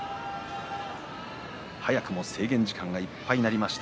早くも制限時間いっぱいになりました。